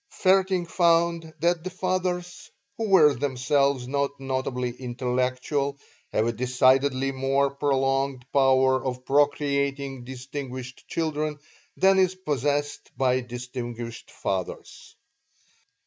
Vaerting found that the fathers who were themselves not notably intellectual have a decidedly more prolonged power of procreating distinguished children than is possessed by distinguished fathers.